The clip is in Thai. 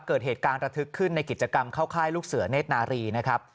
เกิดเหตุการณ์ระทึกขึ้นในกิจกรรมเข้าค่ายลูกเสือเนธนารีนะครับ